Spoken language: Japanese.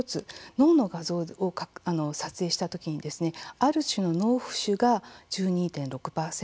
脳の画像を撮影した時にある種の脳浮腫が１２．６％。